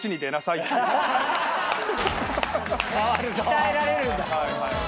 鍛えられるんだ。